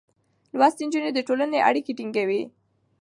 لوستې نجونې د ټولنې اړيکې ټينګوي.